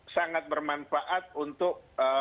sangat bermanfaat untuk